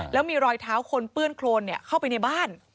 แล้วมีรอยเท้าคนเปื้อนโครนเข้าไปในบ้าน